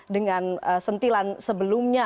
dengan sentilan sebelumnya